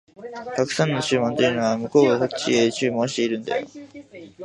沢山の注文というのは、向こうがこっちへ注文してるんだよ